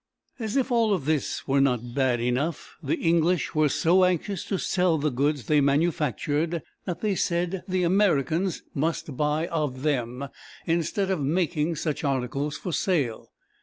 As if all this were not bad enough, the English were so anxious to sell the goods they manufactured, that they said the Americans must buy of them, instead of making such articles for sale.